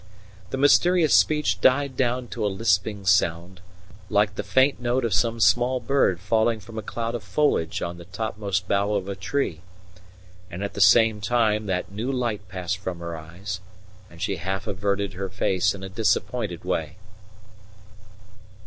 The mysterious speech died down to a lisping sound, like the faint note of some small bird falling from a cloud of foliage on the topmost bough of a tree; and at the same time that new light passed from her eyes, and she half averted her face in a disappointed way.